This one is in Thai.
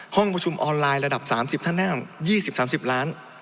ห้องประชุมออนไลน์ระดับ๓๐ท่านนั่ง๒๐๓๐ล้าน